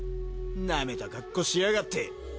ナメた格好しやがって。